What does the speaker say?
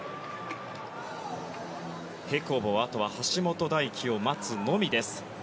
平行棒はあとは橋本大輝を待つのみです。